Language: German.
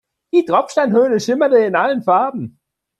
Die Tropfsteinhöhle schimmerte in allen Farben.